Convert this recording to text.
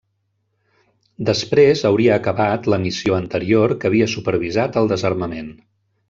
Després hauria acabat la missió anterior que havia supervisat el desarmament.